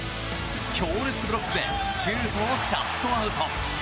強烈ブロックでシュートをシャットアウト。